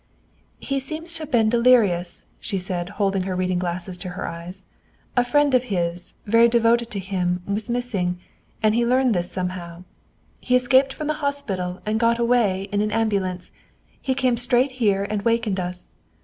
"He seems to have been delirious," she read, holding her reading glasses to her eyes. "A friend of his, very devoted to him, was missing, and he learned this somehow. "He escaped from the hospital and got away in an ambulance. He came straight here and wakened us.